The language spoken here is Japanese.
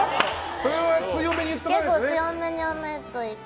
それは強めに言って？